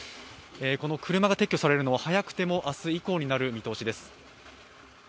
この車が撤去されるのは早くても明日以降になる見通しです。